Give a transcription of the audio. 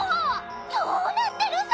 どうなってるさ！？